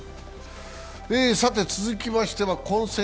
さて、続きましては混戦